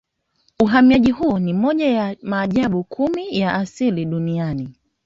Uhamiaji huo ni moja ya maajabu kumi ya asili Duniani